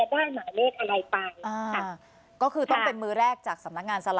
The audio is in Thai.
ได้หมายเลขอะไรไปอ่าค่ะก็คือต้องเป็นมือแรกจากสำนักงานสลาก